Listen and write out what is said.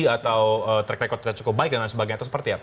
atau track record kita cukup baik dan lain sebagainya atau seperti apa